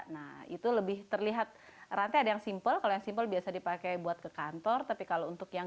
nah itu lebih terlihat rantai ada yang simple kalau yang simpel biasa dipakai buat ke kantor tapi kalau untuk yang